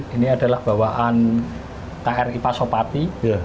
ini adalah bawaan kri pasopati